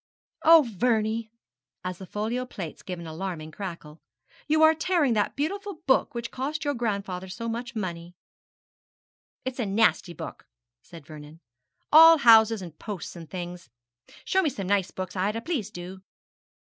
'Oh, Vernie!' as the folio plates gave an alarming crackle, 'you are tearing that beautiful big book which cost your grandfather so much money.' 'It's a nasty book,' said Vernon, 'all houses and posts and things. Show me some nice books, Ida; please, do.'